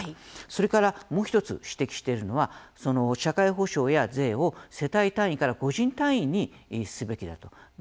それからもう１つ指摘しているのは社会保障や税を世帯単位から個人単位にすべきだと。